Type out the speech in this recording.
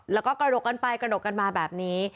แล้วก็กระดกกันไปกระดกกันมาแบบนี้